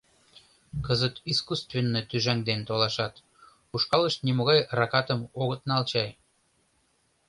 Кызыт искусственно тӱжаҥден толашат, ушкалышт нимогай ракатым огыт нал чай...